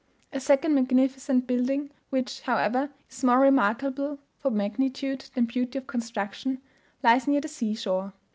A second magnificent building, which, however, is more remarkable for magnitude than beauty of construction, lies near the sea shore.